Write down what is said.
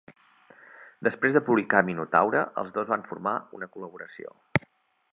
Després de publicar "Minotaure", els dos van formar una col·laboració.